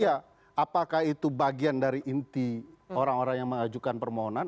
ya apakah itu bagian dari inti orang orang yang mengajukan permohonan